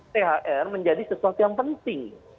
thr menjadi sesuatu yang penting